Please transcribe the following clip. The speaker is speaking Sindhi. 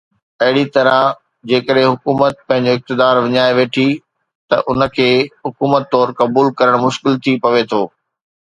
اهڙي طرح جيڪڏهن حڪومت پنهنجو اقتدار وڃائي ويٺي ته ان کي حڪومت طور قبول ڪرڻ مشڪل ٿي پوي ٿو.